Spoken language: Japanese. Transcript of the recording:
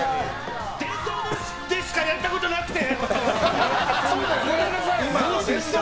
電動でしかやったことなくて。